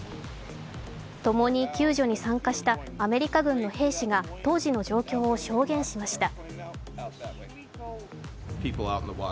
共に救助に参加したアメリカ軍の兵士が当時の状況を証言しました。